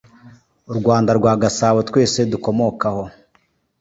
u Rwanda rwa Gasabo twese dukomokaho